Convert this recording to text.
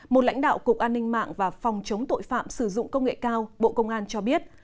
một lãnh đạo cục an ninh mạng và phòng chống tội phạm sử dụng công nghệ cao bộ công an cho biết